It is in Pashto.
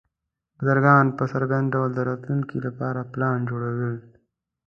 بزګران په څرګند ډول د راتلونکي لپاره پلان جوړول.